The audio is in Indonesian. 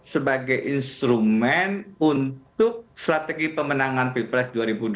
sebagai instrumen untuk strategi pemenangan pilpres dua ribu dua puluh